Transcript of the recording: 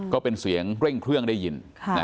ก็เป็นเสียงเร่งเครื่องได้ยิน